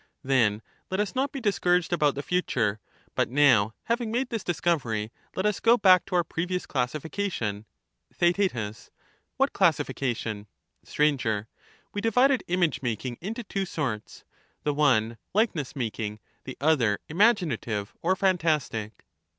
Then let us not be discouraged about the future ; but Recapitu now having made this discovery, let us go back to our ^^<2'^^™ previous classification. (supra).— TheaeU What classification ?^^«"^^«^ Sir. We divided image making into two sorts; the one making likeness making, the other imaginative or phantastic.